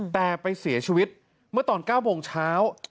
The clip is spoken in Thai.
แต่ไปเสียชีวิตเมื่อตอน๙โมงเช้า